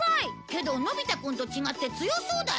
けどのび太くんと違って強そうだよ